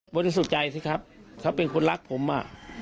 สุดใจสิครับเขาเป็นคนรักผมอ่ะ